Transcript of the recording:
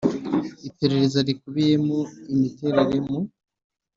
Iperereza rikubiyemo imiterere mu